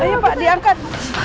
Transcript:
aduh pak diangkat